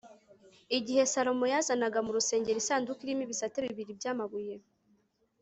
igihe salomo yazanaga mu rusengero isanduku irimo ibisate bibiri by'amabuye